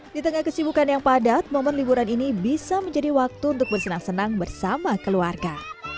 di tengah kesibukan yang padat momen liburan ini bisa menjadi waktu untuk bersenang senang bersama keluarga